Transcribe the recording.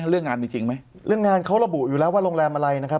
เรื่องงานเขาระบุอยู่แล้วว่าโรงแรมอะไรนะครับ